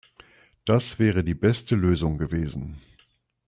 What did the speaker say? Das wäre die beste Lösung gewesen.